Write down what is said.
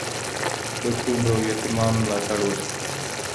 د کونډو او یتیمانو ملاتړ وکړئ.